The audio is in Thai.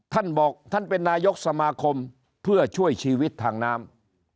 ท่านบอกท่านเป็นนายกสมาคมเพื่อช่วยชีวิตทางน้ำ